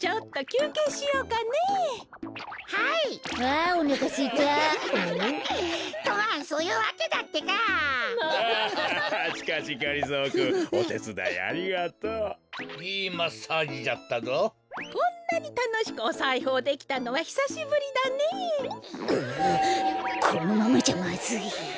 ううこのままじゃまずい。